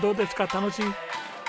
楽しい？